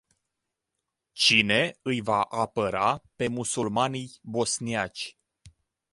Cine îi va apăra pe musulmanii bosniaci?